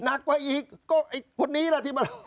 หนักกว่าอีกก็คนนี้เล่าที่มันบอก